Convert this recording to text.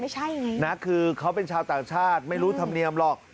นะคือเขาเป็นชาวต่างชาติไม่รู้ธรรมเนียมหรอก